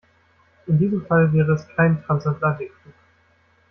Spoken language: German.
In diesem Fall wäre es kein Transatlantikflug.